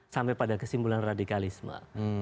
sampai pada kesimpulan radikalisme